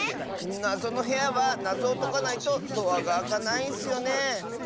なぞのへやはなぞをとかないとドアがあかないんスよね。